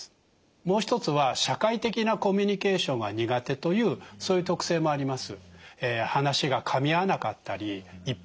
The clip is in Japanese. もう一つは社会的なコミュニケーションが苦手というそういう特性もあります。